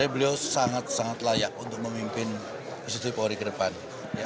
beliau sangat layak untuk memimpin sisi polri ke depan